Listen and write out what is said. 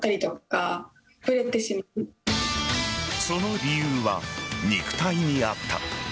その理由は肉体にあった。